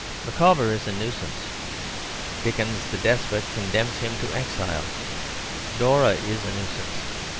Micawber is a nuisance. Dickens the despot condemns him to exile. Dora is a nuisance.